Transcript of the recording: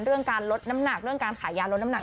เรื่องการลดน้ำหนักเรื่องการขายยาลดน้ำหนัก